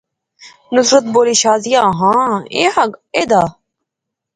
نصرت بولی، شازیہ ہاں خاں ایہھاں ایہہ دا